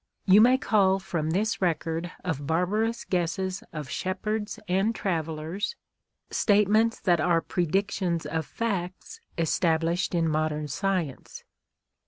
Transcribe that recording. You may cull from this record of barbarous guesses of shepherds and trav(^llers statements that are predictions of facts established in modern science.